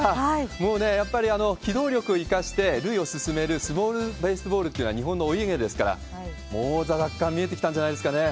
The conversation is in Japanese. もうね、やっぱり機動力を生かして類を進めるスモールベースボールっていうのが日本のお家芸ですから、もう、王座奪還見えてきたんじゃないですかね。